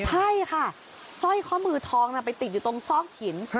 ใช่ค่ะสร้อยข้อมือทองไปติดอยู่ตรงซอกหิน